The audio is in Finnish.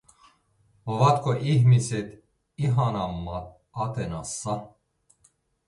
Ovatko ihmiset ihanammat Athenassa?